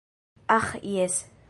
Aĥ jes.